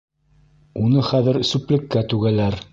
Уны хәҙер сүплеккә түгәләр.